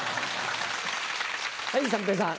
はい三平さん。